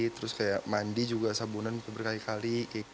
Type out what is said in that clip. terus kayak mandi juga sabunan berkali kali